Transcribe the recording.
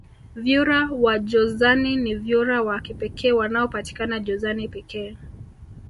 vyura wa jozani ni vyura wa kipekee wanaopatikana jozani pekee